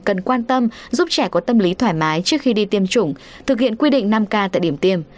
cần quan tâm giúp trẻ có tâm lý thoải mái trước khi đi tiêm chủng thực hiện quy định năm k tại điểm tiêm